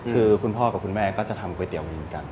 คือคุณพ่อกับคุณแม่ก็จะทำก๋วยเตี๋ยวเหมือนกัน